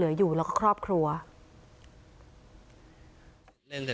แล้วพวกเขาก็ควัคมีท